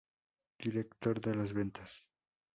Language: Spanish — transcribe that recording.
Directo de Las Ventas.